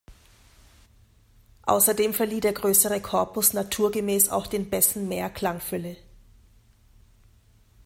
Außerdem verlieh der größere Korpus naturgemäß auch den Bässen mehr Klangfülle.